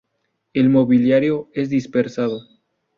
El mobiliario es dispersado.